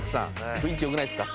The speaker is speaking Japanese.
雰囲気良くないですか？